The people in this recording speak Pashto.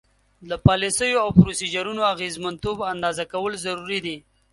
د پالیسیو او پروسیجرونو اغیزمنتوب اندازه کول ضروري دي.